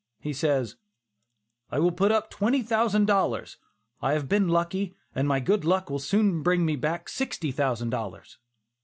He says: "I will put in twenty thousand dollars. I have been lucky, and my good luck will soon bring me back sixty thousand dollars."